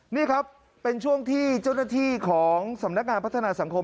นี่ครับเป็นช่วงที่เจ้าหน้าที่ของสำนักงานพัฒนาสังคม